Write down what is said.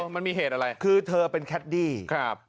มันมีเหตุอะไรคือเธอเป็นแคดดี้ครับ